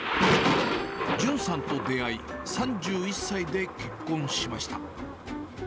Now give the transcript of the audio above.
隼さんと出会い、３１歳で結婚しました。